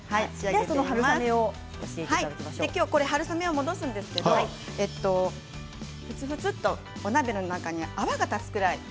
春雨を戻しますがふつふつとお鍋の中に泡が立つくらい。